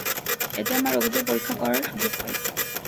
এতে আমার রোগীদের পরীক্ষা করার সুযোগ পাই।